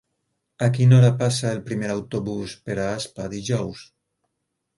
A quina hora passa el primer autobús per Aspa dijous?